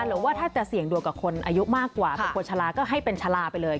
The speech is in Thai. หรือว่าถ้าจะเสี่ยงดวงกับคนอายุมากกว่าเป็นคนชะลาก็ให้เป็นชะลาไปเลย